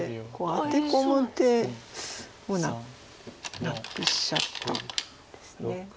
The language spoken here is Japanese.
アテ込む手をなくしちゃったんです。